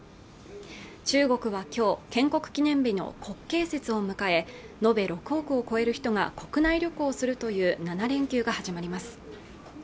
中国は今日建国記念日の国慶節を迎え延べ６億を超える人が国内旅行するという７連休が始まります